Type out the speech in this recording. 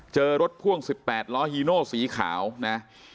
เจอรถพ่วง๑๘ล้อฮีโนสีขาวนะ